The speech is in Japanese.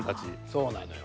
そうなのよ。